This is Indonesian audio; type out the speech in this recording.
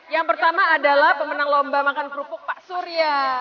yang pertama adalah pemenang lomba makan kerupuk pak surya